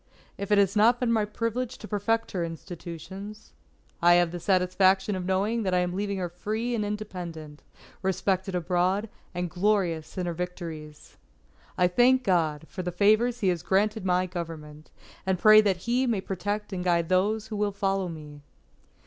If it has not been my privilege to perfect her institutions, I have the satisfaction of knowing that I am leaving her free and independent, respected abroad, and glorious in her victories._ _I thank God for the favours He has granted my Government, and pray that He may protect and guide those who will follow me.